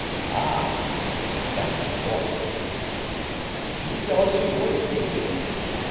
"Ah! that's the point." "He does your bidding?"